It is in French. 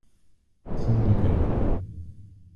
Trente-deux gars.